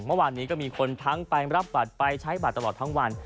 เมื่อวานนี้ก็มีคนทั้งไปรับบัตรไปใช้บัตรตลอดทั้งวัน